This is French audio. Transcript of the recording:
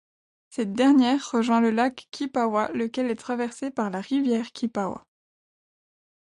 Cette dernière rejoint le Lac Kipawa lequel est traversé par la rivière Kipawa.